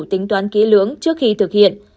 tính toán kỹ lưỡng trước khi thực hiện